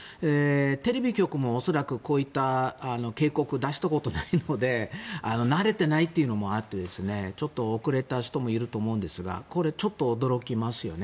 テレビ局も恐らくこういった警告を出したことがないので慣れていないというのもあってちょっと遅れた人もいると思うんですがこれ、ちょっと驚きますよね。